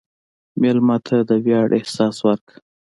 مېلمه ته د ویاړ احساس ورکړه.